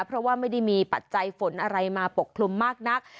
เพราะว่าไม่ได้มีปัจจัยฝนอะไรมาปกคลุมมากนัก